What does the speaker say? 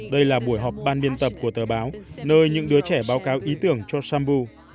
đây là buổi họp ban biên tập của tờ báo nơi những đứa trẻ báo cáo ý tưởng cho sambu